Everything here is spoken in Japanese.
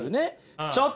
ちょっとね